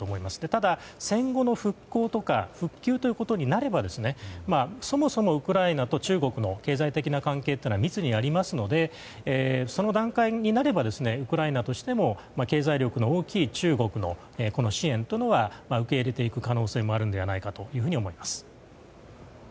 ただ、戦後の復興とか復旧ということになればそもそもウクライナと中国の経済的な関係というのは密にありますのでその段階になればウクライナとしても経済力の大きい中国の支援というのは受け入れていく可能性もあるのではないかと思います。